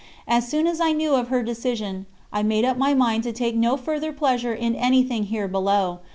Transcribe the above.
As soon as I knew of her decision, I made up my mind to take no further pleasure in anything here below.